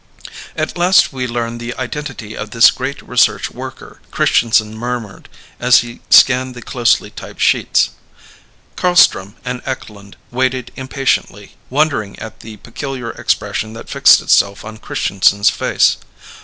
"At last we learn the identity of this great research worker," Christianson murmured as he scanned the closely typed sheets. Carlstrom and Eklund waited impatiently, wondering at the peculiar expression that fixed itself on Christianson's face.